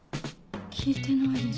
聞いてないです。